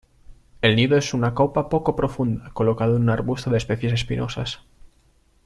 El nido es una copa poco profunda colocado en un arbusto de especies espinosas.